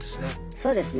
そうですね。